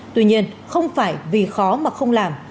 tuy nhiên không phải vì khó mà không làm